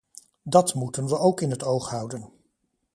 Dat moeten we ook in het oog houden.